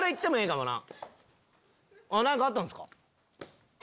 「何かあったんすか？」。